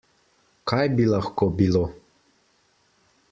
Kaj bi lahko bilo?